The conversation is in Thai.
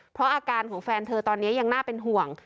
เพราะอาการของแฟนเธอตอนนี้ยังน่าเป็นห่วง